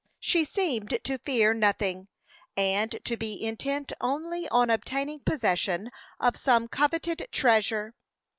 She seemed to fear nothing, and to be intent only on obtaining possession of some coveted treasure.